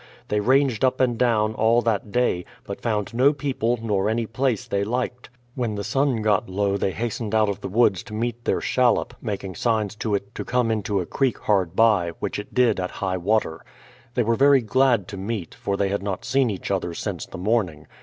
They ranged up and down all that day, but found no people nor any place they liked. When the sun got low they hastened out of the woods to meet their shallop, making signs to it to come into a creek hard by, which it did at high water. They were very glad to meet, for they had not seen each other since the morning.